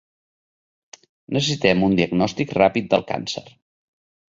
Necessitem un diagnòstic ràpid del càncer.